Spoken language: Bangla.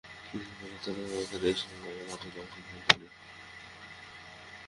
কিছুদিন পর, তারা আমাকে দেশের বাইরে পাঠিয়ে দেয়ার সিদ্ধান্ত নেয়।